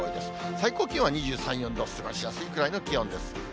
最高気温は２３、４度、過ごしやすいくらいの気温です。